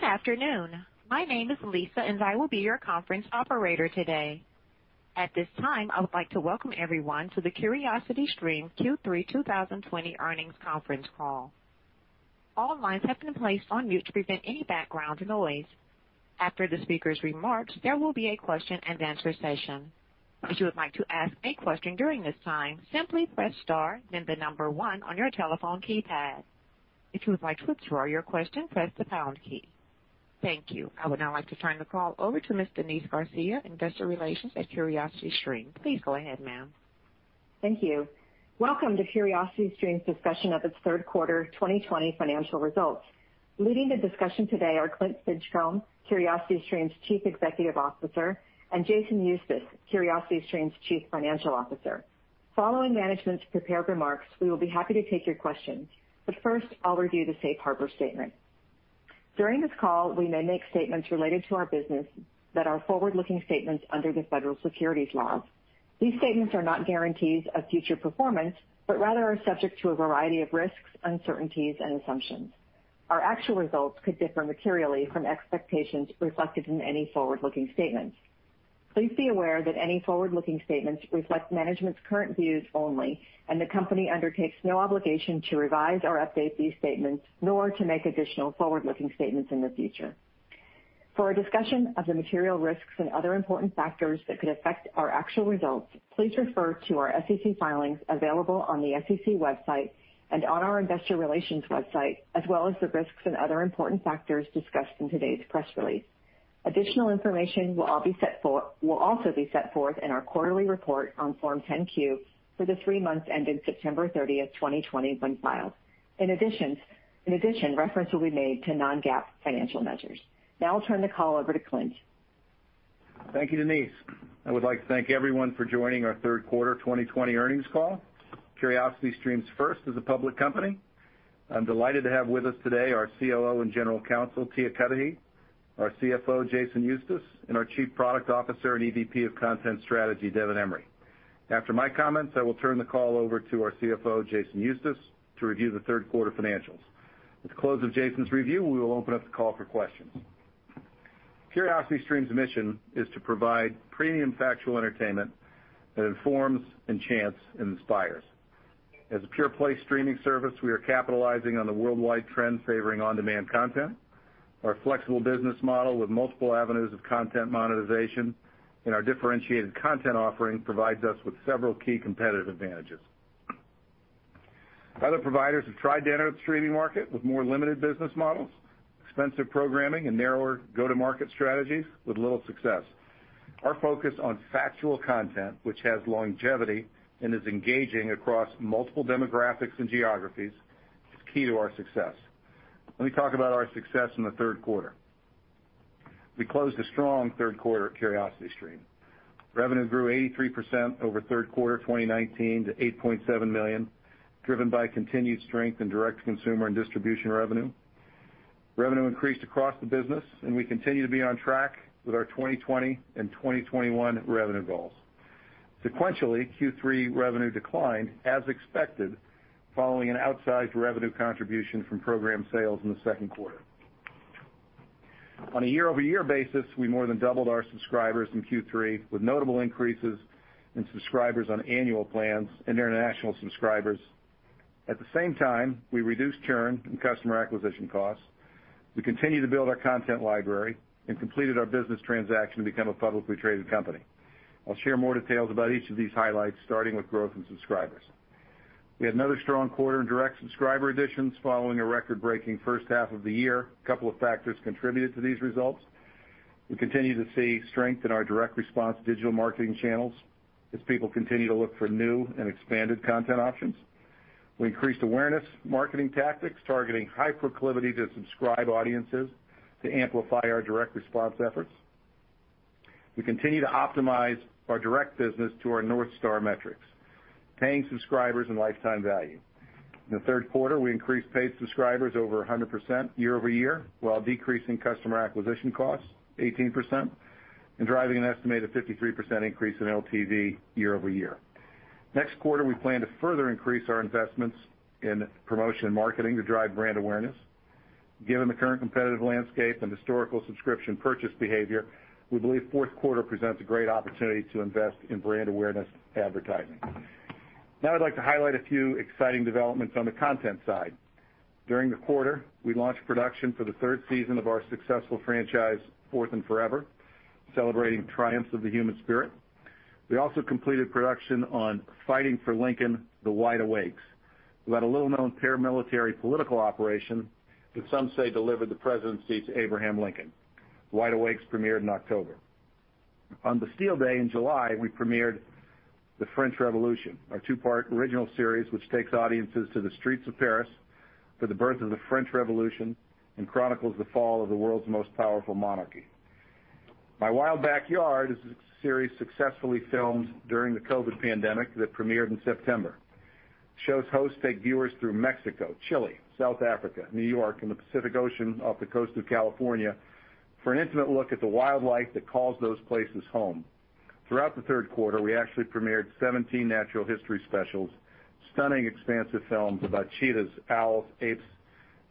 Good afternoon. My name is Lisa, and I will be your conference operator today. At this time, I would like to welcome everyone to the CuriosityStream Q3 2020 Earnings Conference Call. All lines have been placed on mute to prevent any background noise. After the speaker's remarks, there will be a question-and-answer session. If you would like to ask a question during this time, simply press star, then the number one on your telephone keypad. If you would like to withdraw your question, press the pound key. Thank you. I would now like to turn the call over to Ms. Denise Garcia, Investor Relations at CuriosityStream. Please go ahead, ma'am. Thank you. Welcome to CuriosityStream's discussion of its third quarter 2020 financial results. Leading the discussion today are Clint Stinchcomb, CuriosityStream's Chief Executive Officer, and Jason Eustace, CuriosityStream's Chief Financial Officer. Following management's prepared remarks, we will be happy to take your questions, but first, I'll review the safe harbor statement. During this call, we may make statements related to our business that are forward-looking statements under the federal securities laws. These statements are not guarantees of future performance, but rather are subject to a variety of risks, uncertainties, and assumptions. Our actual results could differ materially from expectations reflected in any forward-looking statements. Please be aware that any forward-looking statements reflect management's current views only, and the company undertakes no obligation to revise or update these statements, nor to make additional forward-looking statements in the future. For a discussion of the material risks and other important factors that could affect our actual results, please refer to our SEC filings available on the SEC website and on our investor relations website, as well as the risks and other important factors discussed in today's press release. Additional information will also be set forth in our quarterly report on Form 10-Q for the three months ending September 30, 2020, when filed. In addition, reference will be made to non-GAAP financial measures. Now I'll turn the call over to Clint. Thank you, Denise. I would like to thank everyone for joining our third quarter 2020 earnings call, CuriosityStream's first as a public company. I'm delighted to have with us today our COO and General Counsel, Tia Cudahy, our CFO, Jason Eustace, and our Chief Product Officer and EVP of Content Strategy, Devin Emery. After my comments, I will turn the call over to our CFO, Jason Eustace, to review the third quarter financials. At the close of Jason's review, we will open up the call for questions. CuriosityStream's mission is to provide premium factual entertainment that informs, enchants and inspires. As a pure-play streaming service, we are capitalizing on the worldwide trend favoring on-demand content. Our flexible business model with multiple avenues of content monetization and our differentiated content offering provides us with several key competitive advantages. Other providers have tried to enter the streaming market with more limited business models, expensive programming and narrower go-to-market strategies with little success. Our focus on factual content, which has longevity and is engaging across multiple demographics and geographies, is key to our success. Let me talk about our success in the third quarter. We closed a strong third quarter at CuriosityStream. Revenue grew 83% over third quarter 2019 to $8.7 million, driven by continued strength in direct-to-consumer and distribution revenue. Revenue increased across the business, and we continue to be on track with our 2020 and 2021 revenue goals. Sequentially, Q3 revenue declined, as expected, following an outsized revenue contribution from program sales in the second quarter. On a year-over-year basis, we more than doubled our subscribers in Q3, with notable increases in subscribers on annual plans and international subscribers. At the same time, we reduced churn and customer acquisition costs. We continued to build our content library and completed our business transaction to become a publicly traded company. I'll share more details about each of these highlights, starting with growth in subscribers. We had another strong quarter in direct subscriber additions following a record-breaking first half of the year. A couple of factors contributed to these results. We continue to see strength in our direct response digital marketing channels as people continue to look for new and expanded content options. We increased awareness marketing tactics, targeting high proclivity to subscribe audiences to amplify our direct response efforts. We continue to optimize our direct business to our North Star metrics, paying subscribers and Lifetime Value. In the third quarter, we increased paid subscribers over 100% year-over-year, while decreasing customer acquisition costs 18% and driving an estimated 53% increase in LTV year-over-year. Next quarter, we plan to further increase our investments in promotion and marketing to drive brand awareness. Given the current competitive landscape and historical subscription purchase behavior, we believe fourth quarter presents a great opportunity to invest in brand awareness advertising. Now, I'd like to highlight a few exciting developments on the content side. During the quarter, we launched production for the third season of our successful franchise, 4th and Forever, celebrating triumphs of the human spirit. We also completed production on Fighting for Lincoln: The Wide Awakes, about a little-known paramilitary political operation that some say delivered the presidency to Abraham Lincoln. Wide Awakes premiered in October. On Bastille Day in July, we premiered The French Revolution, our two-part original series, which takes audiences to the streets of Paris for the birth of the French Revolution and chronicles the fall of the world's most powerful monarchy. My Wild Backyard is a series successfully filmed during the COVID pandemic that premiered in September. The show's hosts take viewers through Mexico, Chile, South Africa, New York, and the Pacific Ocean off the coast of California for an intimate look at the wildlife that calls those places home. Throughout the third quarter, we actually premiered 17 natural history specials, stunning, expansive films about cheetahs, owls, apes,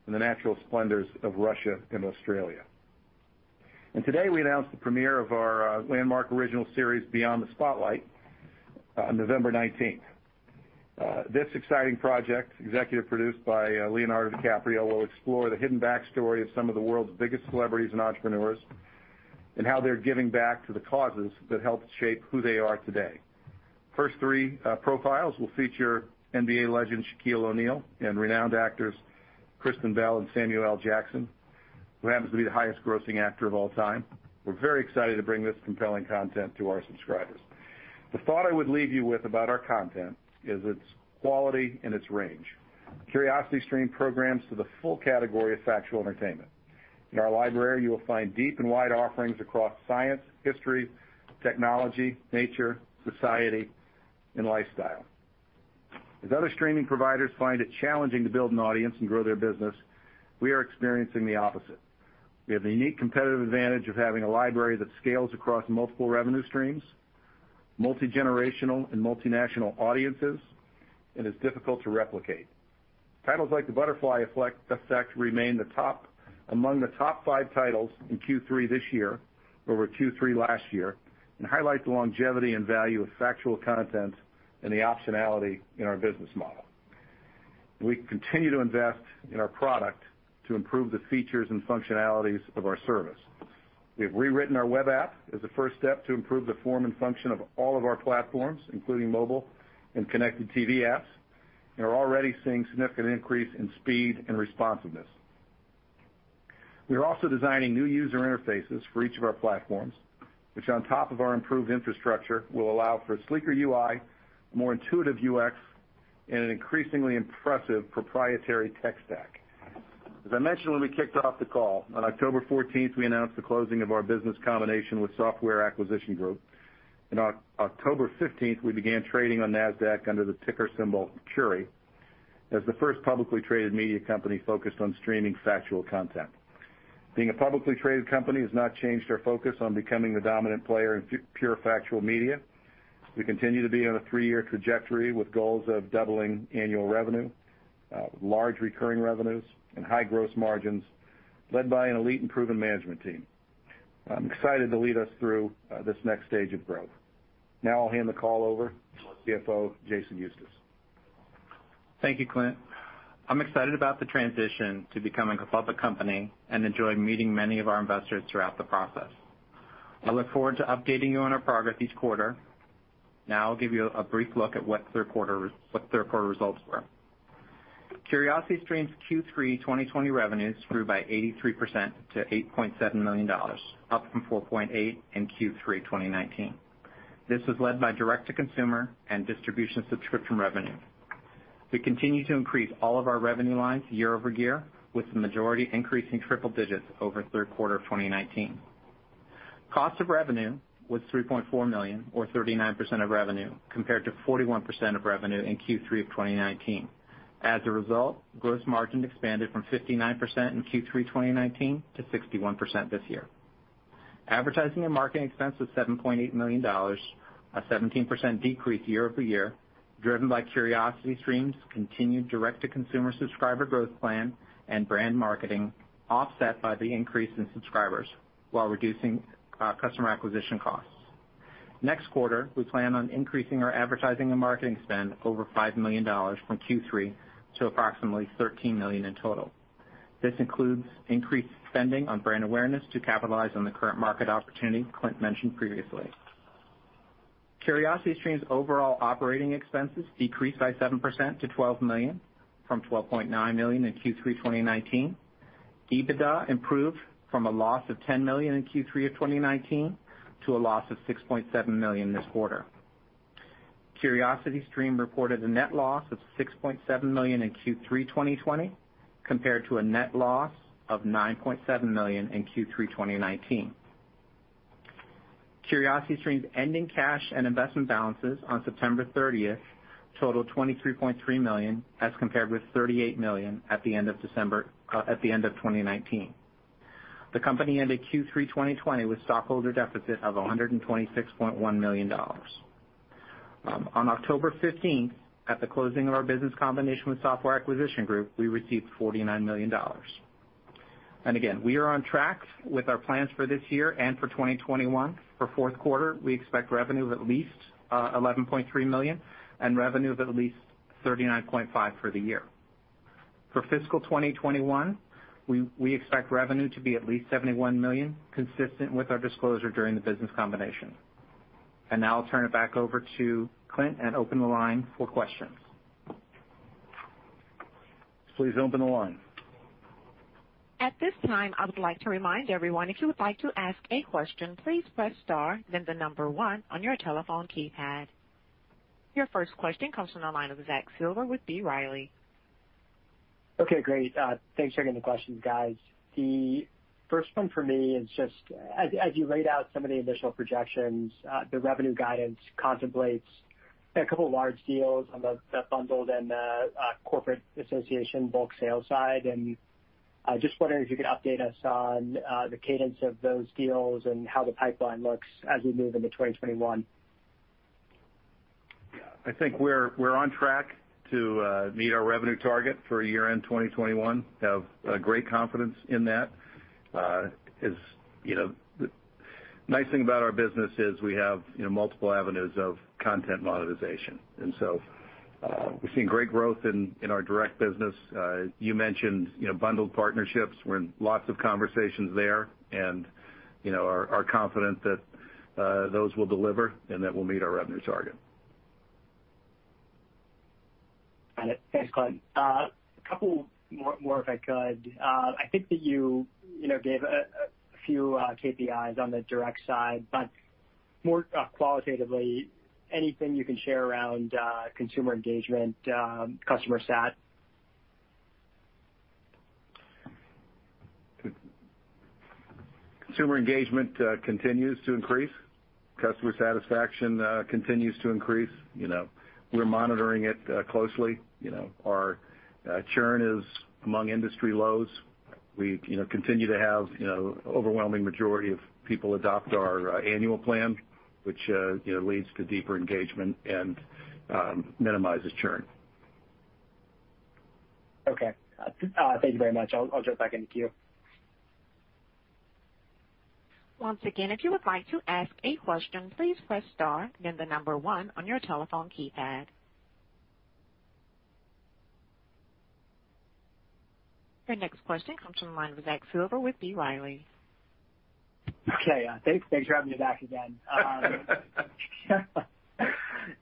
and the natural splendors of Russia and Australia. And today, we announced the premiere of our landmark original series, Beyond the Spotlight, on November 19th. This exciting project, executive produced by Leonardo DiCaprio, will explore the hidden backstory of some of the world's biggest celebrities and entrepreneurs, and how they're giving back to the causes that helped shape who they are today. First three profiles will feature NBA legend Shaquille O'Neal and renowned actors Kristen Bell and Samuel L. Jackson, who happens to be the highest-grossing actor of all time. We're very excited to bring this compelling content to our subscribers. The thought I would leave you with about our content is its quality and its range. CuriosityStream programs to the full category of factual entertainment. In our library, you will find deep and wide offerings across science, history, technology, nature, society, and lifestyle. As other streaming providers find it challenging to build an audience and grow their business, we are experiencing the opposite. We have the unique competitive advantage of having a library that scales across multiple revenue streams, multi-generational and multinational audiences, and is difficult to replicate. Titles like The Butterfly Effect remain among the top five titles in Q3 this year over Q3 last year, and highlight the longevity and value of factual content and the optionality in our business model. We continue to invest in our product to improve the features and functionalities of our service. We have rewritten our web app as a first step to improve the form and function of all of our platforms, including mobile and connected TV apps, and are already seeing significant increase in speed and responsiveness. We are also designing new user interfaces for each of our platforms, which on top of our improved infrastructure, will allow for a sleeker UI, a more intuitive UX, and an increasingly impressive proprietary tech stack. As I mentioned when we kicked off the call, on October 14th, we announced the closing of our business combination with Software Acquisition Group. On October 15th, we began trading on Nasdaq under the ticker symbol CURI, as the first publicly traded media company focused on streaming factual content. Being a publicly traded company has not changed our focus on becoming the dominant player in pure factual media. We continue to be on a three-year trajectory with goals of doubling annual revenue, large recurring revenues, and high gross margins, led by an elite and proven management team. I'm excited to lead us through this next stage of growth. Now I'll hand the call over to CFO, Jason Eustace. Thank you, Clint. I'm excited about the transition to becoming a public company and enjoyed meeting many of our investors throughout the process. I look forward to updating you on our progress each quarter. Now, I'll give you a brief look at what third quarter results were. CuriosityStream's Q3 2020 revenues grew by 83% to $8.7 million, up from $4.8 million in Q3 2019. This was led by direct-to-consumer and distribution subscription revenue. We continue to increase all of our revenue lines year-over-year, with the majority increasing triple digits over third quarter of 2019. Cost of revenue was $3.4 million, or 39% of revenue, compared to 41% of revenue in Q3 of 2019. As a result, gross margin expanded from 59% in Q3 2019 to 61% this year. Advertising and marketing expense was $7.8 million, a 17% decrease year-over-year, driven by CuriosityStream's continued direct-to-consumer subscriber growth plan and brand marketing, offset by the increase in subscribers while reducing customer acquisition costs. Next quarter, we plan on increasing our advertising and marketing spend by over $5 million from Q3 to approximately $13 million in total. This includes increased spending on brand awareness to capitalize on the current market opportunity Clint mentioned previously. CuriosityStream's overall operating expenses decreased by 7% to $12 million, from $12.9 million in Q3 2019. EBITDA improved from a loss of $10 million in Q3 of 2019 to a loss of $6.7 million this quarter. CuriosityStream reported a net loss of $6.7 million in Q3 2020, compared to a net loss of $9.7 million in Q3 2019. CuriosityStream's ending cash and investment balances on September 30 totaled $23.3 million, as compared with $38 million at the end of December at the end of 2019. The company ended Q3 2020 with stockholder deficit of $126.1 million. On October 15th, at the closing of our business combination with Software Acquisition Group, we received $49 million. Again, we are on track with our plans for this year and for 2021. For fourth quarter, we expect revenue of at least $11.3 million and revenue of at least $39.5 million for the year. For fiscal 2021, we expect revenue to be at least $71 million, consistent with our disclosure during the business combination. Now I'll turn it back over to Clint and open the line for questions. Please open the line. At this time, I would like to remind everyone, if you would like to ask a question, please press star then the number one on your telephone keypad. Your first question comes from the line of Zach Silver with B. Riley. Okay, great. Thanks for taking the questions, guys. The first one for me is just, as you laid out some of the initial projections, the revenue guidance contemplates a couple of large deals on the bundled and the corporate association bulk sales side. I just wondering if you could update us on the cadence of those deals and how the pipeline looks as we move into 2021? Yeah, I think we're on track to meet our revenue target for year-end 2021. Have great confidence in that. As you know, the nice thing about our business is we have, you know, multiple avenues of content monetization. And so, we've seen great growth in our direct business. You mentioned, you know, bundled partnerships. We're in lots of conversations there, and, you know, are confident that those will deliver and that we'll meet our revenue target. Got it. Thanks, Clint. A couple more, if I could. I think that you know gave a few KPIs on the direct side, but more qualitatively, anything you can share around consumer engagement, customer sat? Consumer engagement continues to increase. Customer satisfaction continues to increase. You know, we're monitoring it closely. You know, our churn is among industry lows. We, you know, continue to have, you know, overwhelming majority of people adopt our annual plan, which, you know, leads to deeper engagement and minimizes churn. Okay. Thank you very much. I'll, I'll jump back in the queue. Once again, if you would like to ask a question, please press star, then the number one on your telephone keypad. Your next question comes from the line with Zach Silver, with B. Riley. Okay, thanks. Thanks for having me back again.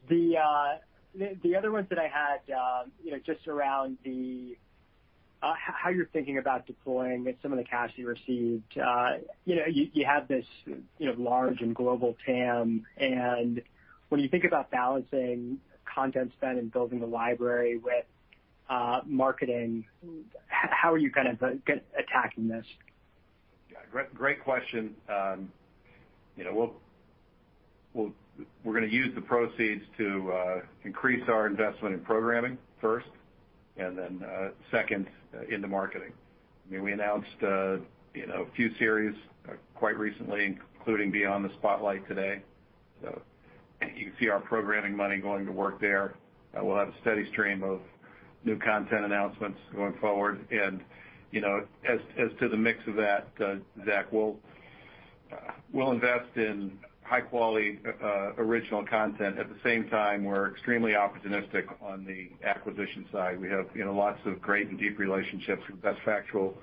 The other ones that I had, you know, just around how you're thinking about deploying some of the cash you received. You know, you have this, you know, large and global TAM, and when you think about balancing content spend and building the library with marketing, how are you kind of attacking this? Yeah, great, great question. You know, we'll, we're gonna use the proceeds to increase our investment in programming first, and then second, into marketing. I mean, we announced you know, a few series quite recently, including Beyond the Spotlight today. So you can see our programming money going to work there. We'll have a steady stream of new content announcements going forward. And, you know, as to the mix of that, Zach, we'll invest in high quality original content. At the same time, we're extremely opportunistic on the acquisition side. We have, you know, lots of great and deep relationships with best factual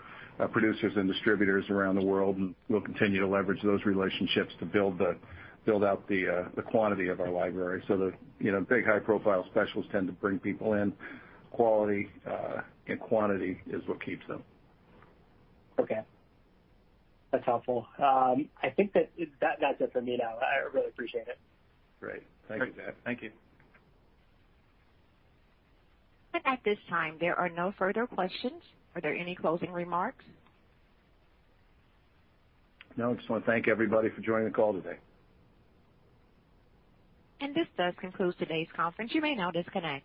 producers and distributors around the world, and we'll continue to leverage those relationships to build out the quantity of our library. So the, you know, big, high-profile specials tend to bring people in. Quality and quantity is what keeps them. Okay. That's helpful. I think that that's it for me now. I really appreciate it. Great. Thank you, Zach. Thank you. At this time, there are no further questions. Are there any closing remarks? No. I just want to thank everybody for joining the call today. This does conclude today's conference. You may now disconnect.